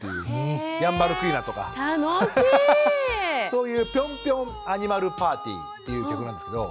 そういう「ピョンピョンアニマルパーティー」っていう曲なんですけど。